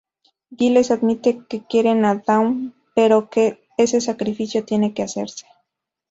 Giles admite que quiere a Dawn, pero que ese sacrificio tiene que hacerse.